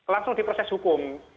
langsung diproses hukum